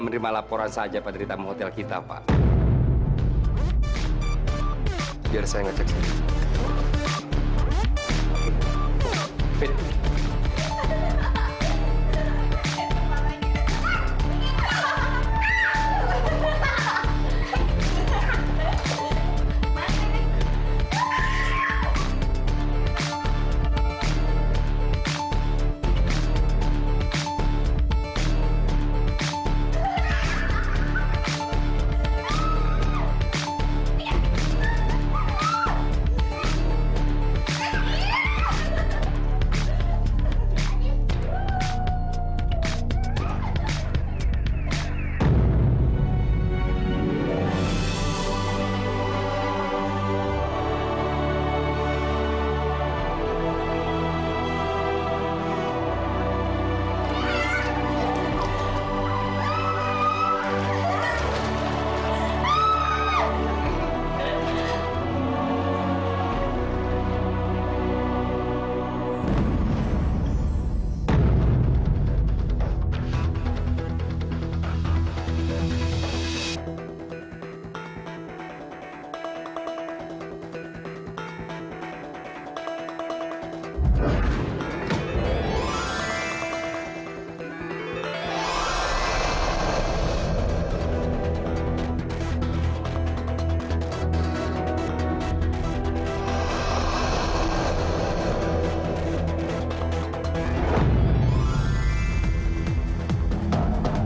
sampai jumpa di video selanjutnya